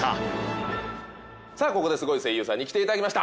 さあここでスゴい声優さんに来ていただきました。